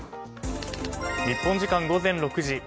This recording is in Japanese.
日本時間午前６時。